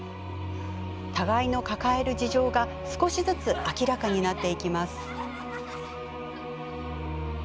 互いの抱える事情が少しずつ明らかになっていきます。